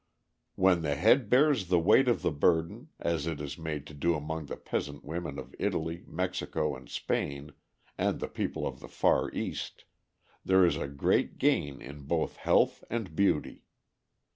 "When the head bears the weight of the burden, as it is made to do among the peasant women of Italy, Mexico, and Spain, and the people of the Far East, there is great gain in both health and beauty.